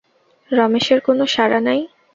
–রমেশের কোনো সাড়া নাই।